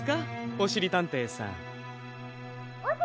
・おしりたんていさん！